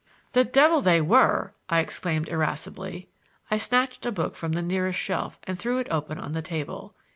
"The devil they were!" I exclaimed irascibly. I snatched a book from the nearest shelf and threw it open on the table.